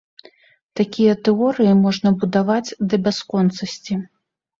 Такія тэорыі можна будаваць да бясконцасці.